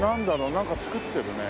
なんか造ってるね。